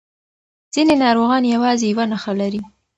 ځینې ناروغان یوازې یو نښه لري.